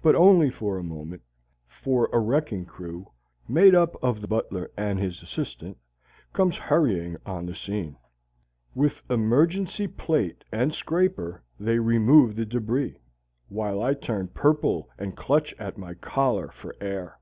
But only for a moment; for a wrecking crew, made up of the butler and his assistant, comes hurrying on the scene. With emergency plate and scraper they remove the debris, while I turn purple and clutch at my collar for air.